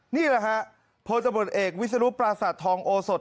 นี่แหละฮะโพสตำรวจเอกวิสรุปราศัตริย์ทองโอสต